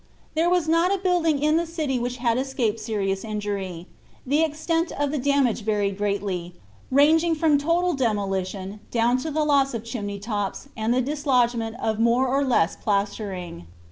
"There was not a building in the city which had escaped serious injury. The extent of the damage varied greatly, ranging from total demolition down to the loss of chimney tops and the dislodgment of more or less plastering.